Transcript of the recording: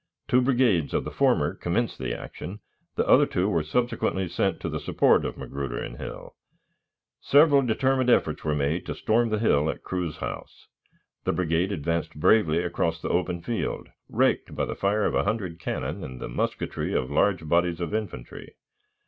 Two brigades of the former commenced the action, the other two were subsequently sent to the support of Magruder and Hill. Several determined efforts were made to storm the hill at Crew's house. The brigade advanced bravely across the open field, raked by the fire of a hundred cannon and the musketry of large bodies of infantry.